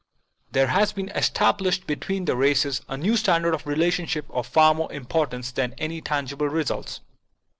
There has been estab* 4 PREFACE lished between the races a new standard of relationship of far more importance than any tangible results.